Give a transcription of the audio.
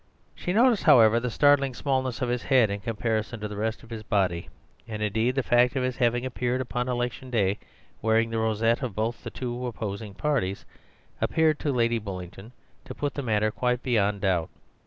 She noticed, however, the startling smallness of his head in comparison to the rest of his body; and, indeed, the fact of his having appeared upon election day wearing the rosette of both the two opposing parties appears to Lady Bullingdon to put the matter quite beyond doubt.